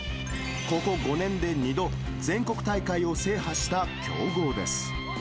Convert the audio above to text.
ここ５年で２度、全国大会を制覇した強豪です。